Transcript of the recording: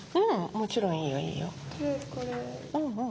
もちろんいいよいいよ。